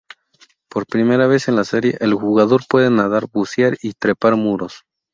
Por primera vez en la serie, el jugador puede nadar, bucear y trepar muros.